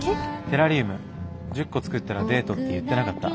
テラリウム１０個作ったらデートって言ってなかった？